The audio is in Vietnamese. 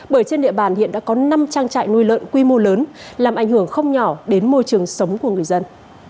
bởi trên địa bàn hiện đã có năm trang trại nuôi lợn quy mô lớn làm ảnh hưởng không nhỏ đến môi trường sống của người dân